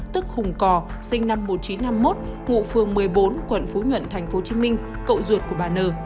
tức hùng cò sinh năm một nghìn chín trăm năm mươi một ngụ phường một mươi bốn quận phú nhuận tp hcm cậu ruột của bà n